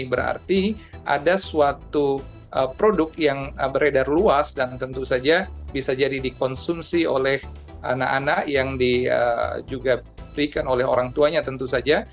berarti ada suatu produk yang beredar luas dan tentu saja bisa jadi dikonsumsi oleh anak anak yang juga diberikan oleh orang tuanya tentu saja